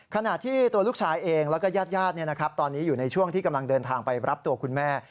ขณะที่ตัวลูกชายเองแล้วก็ญาติตอนนี้อยู่ในช่วงที่กำลังเดินทางไปรับตัวคุณแม่